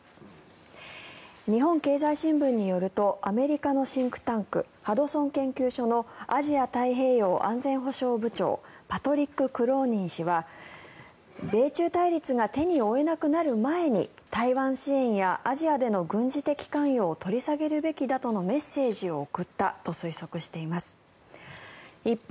日本経済新聞によるとアメリカのシンクタンクハドソン研究所のアジア太平洋安全保障部長パトリック・クローニン氏は米中対立が手に負えなくなる前に台湾支援やアジアでの軍事的関与を取り去げるべきだとのメッセージを送ったと推測しています。